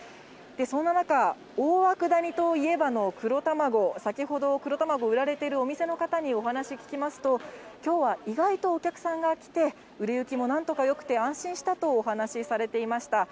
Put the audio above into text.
そんな中、大涌谷といえばの黒たまご、先ほど黒卵、売られているお店の方にお話聞きますと、きょうは意外とお客さんが来て、売れ行きもなんとかよくて、安心したとお話しされていました。